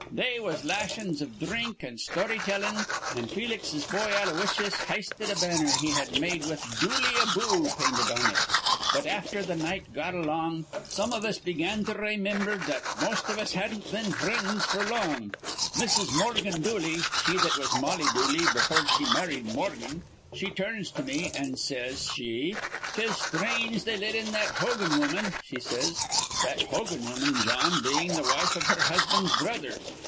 They was lashins iv dhrink an' story tellin', an' Felix's boy Aloysius histed a banner he had made with 'Dooley aboo' painted on it. But, afther th' night got along, some iv us begun to raymimber that most iv us hadn't been frinds f'r long. Mrs. Morgan Dooley, she that was Molly Dooley befure she married Morgan, she turns to me, an' says she, ''Tis sthrange they let in that Hogan woman,' she says, that Hogan woman, Jawn, bein' th' wife iv her husband's brother.